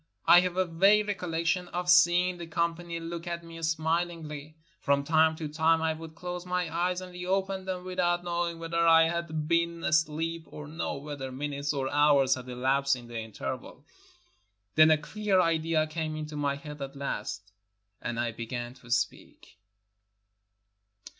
I have a vague recollection of seeing the company look at me smilingly. From time to time I would close my eyes and reopen them without knowing whether I had been 332 ONE DAY IN MOROCCO asleep or no, whether minutes or hours had elapsed in the interval. Then a clear idea came into my head at last, and I began to speak.